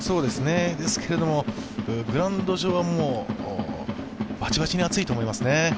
ですけれども、グラウンド上はバチバチに熱いと思いますね。